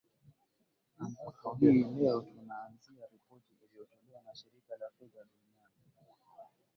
ambapo hii leo tunaanzia ripoti iliyotolewa na shirika la fedha duniani imf